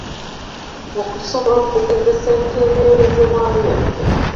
Okusobola okugezesa ebiteeberezebwa byaffe.